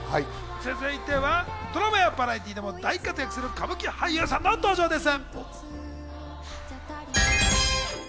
続いては、ドラマやバラエティーでも大活躍する歌舞伎俳優さんの登場です。